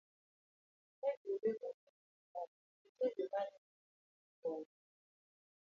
ka ji ringo wuok Sudan, nitie joma ringo bende kadhi kono.